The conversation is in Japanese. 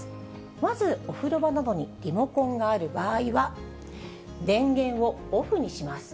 まずお風呂場などにリモコンがある場合は、電源をオフにします。